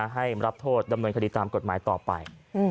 ให้รับโทษดำเนินคดีตามกฎหมายต่อไป